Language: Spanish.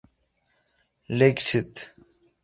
Lake St.